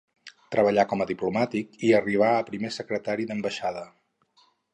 Treballà com a diplomàtic i arribà a primer secretari d'ambaixada.